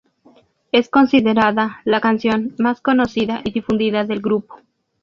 Es considerada la canción más conocida y difundida del grupo.